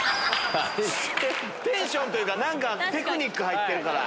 テンションというか何かテクニック入ってるから。